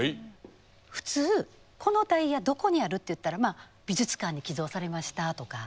普通このダイヤどこにあるっていったら美術館に寄贈されましたとか。